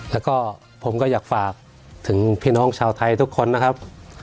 แล้วก็ผมก็อยากฝากถึงพี่น้องชาวไทยทุกคนนะครับ